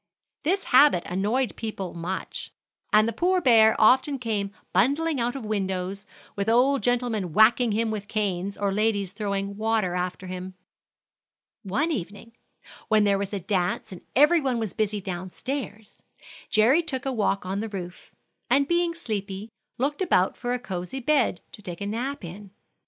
This habit annoyed people much, and the poor bear often came bundling out of windows, with old gentlemen whacking him with canes, or ladies throwing water after him. One evening, when there was a dance and every one was busy down stairs, Jerry took a walk on the roof, and being sleepy, looked about for a cosey bed to take a nap in.